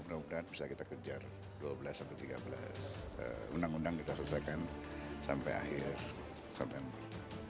mudah mudahan bisa kita kejar dua belas sampai tiga belas undang undang kita selesaikan sampai akhir sampai nanti